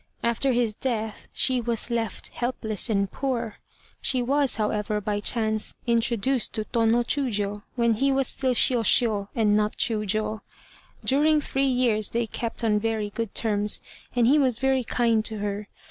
After his death, she was left helpless and poor. She was however, by chance, introduced to Tô no Chiûjiô, when he was still Shiôshiô, and not Chiûjiô. During three years they kept on very good terms, and he was very kind to her.